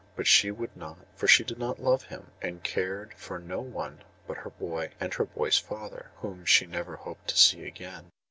But she would not; for she did not love him, and cared for no one but her boy, and her boy's father, whom she never hoped to see again.